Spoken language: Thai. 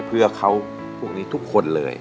เพื่อเขาพวกนี้ทุกคนเลย